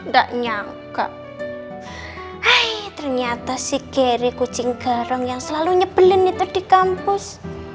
gak nyangka hai ternyata si geri kucing garong yang selalu nyebelin itu di kampus